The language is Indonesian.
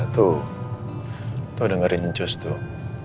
tuh dengerin njus tuh